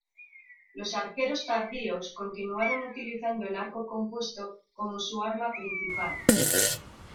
Los arqueros tardíos continuaron utilizando el arco compuesto como su arma principal.